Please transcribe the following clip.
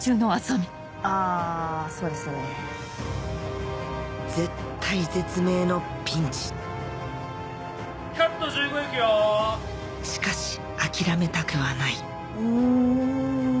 あそうですよね。絶体絶命のピンチ・カット１５いくよ・しかし諦めたくはないうん。